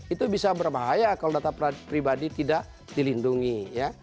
itu bisa berbahaya kalau data pribadi tidak dilindungi ya